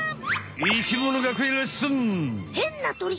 「生きもの学園レッスン！」。